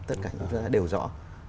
tất cả chúng ta đều rõ